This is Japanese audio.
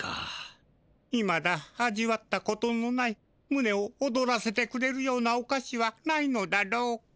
いまだ味わったことのないむねをおどらせてくれるようなおかしはないのだろうか。